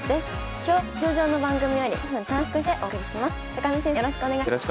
今日は通常の番組より５分短縮してお送りします。